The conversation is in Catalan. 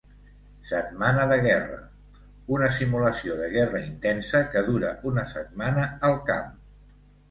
Setmana de Guerra: Una simulació de guerra intensa que dura una setmana al camp.